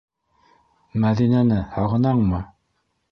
Мәҙинәне... һағынаңмы?